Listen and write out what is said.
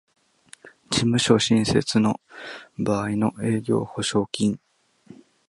事務所新設の場合の営業保証金